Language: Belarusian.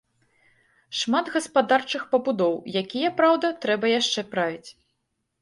Шмат гаспадарчых пабудоў, якія, праўда, трэба яшчэ правіць.